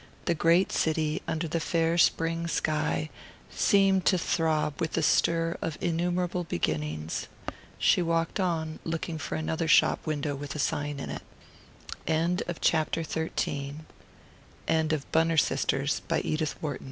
The great city, under the fair spring sky, seemed to throb with the stir of innumerable beginnings. She walked on, looking for another shop window with a sign in it. THE END. End of the Project Gutenberg EBook of Bunner Sisters, by Edith Wha